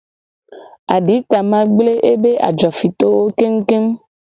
Aditama gble ebe ajofitowo kengukengu.